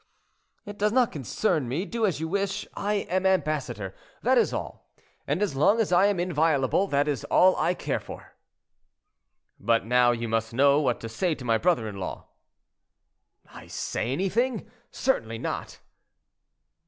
"It does not concern me; do as you wish. I am ambassador, that is all; and as long as I am inviolable, that is all I care for." "But now you must know what to say to my brother in law." "I say anything! Certainly not."